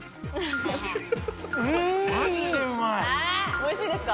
おいしいですか？